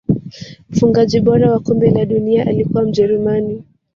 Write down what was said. mfungaji bora wa kombe la dunia alikuwa mjerumani